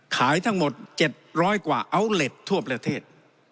ขายทั้งหมด๗๐๐กว่าอัลเล็ตทั่วประเทศ